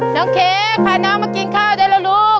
น้องเคพาน้องมากินข้าวด้วยแล้วรู้สึก